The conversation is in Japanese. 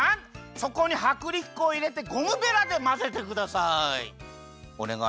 そこにはくりき粉をいれてゴムベラでまぜてください。